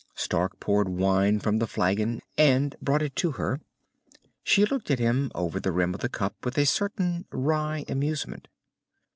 Stark poured wine from the flagon and brought it to her. She looked at him over the rim of the cup, with a certain wry amusement.